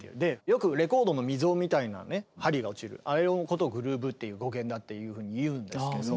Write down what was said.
よくレコードの溝みたいなね針が落ちるあれのことをグルーヴっていう語源だっていうふうに言うんですけど。